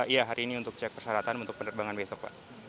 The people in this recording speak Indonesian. iya hari ini untuk cek persyaratan untuk penerbangan besok pak